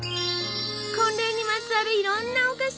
婚礼にまつわるいろんなお菓子！